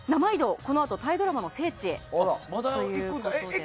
このあとタイドラマの聖地へということで。